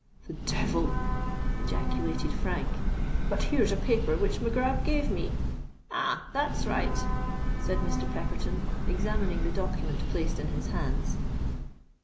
"The devil!" ejaculated Frank. "But here's a paper which Mac Grab gave me——" "Ah! that's right," said Mr. Pepperton, examining the document placed in his hands.